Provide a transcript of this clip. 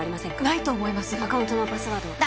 ないと思いますアカウントのパスワードは？